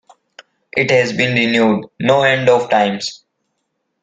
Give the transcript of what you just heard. It has been renewed no end of times.